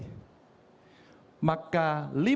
kondisi kondisi alam yang hari ini terjadi